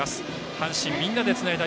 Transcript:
阪神みんなでつないだ